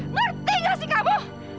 ngerti gak sih kamu